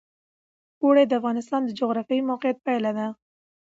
اوړي د افغانستان د جغرافیایي موقیعت پایله ده.